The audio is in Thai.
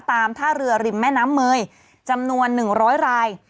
ท่าเรือริมแม่น้ำเมยจำนวน๑๐๐ราย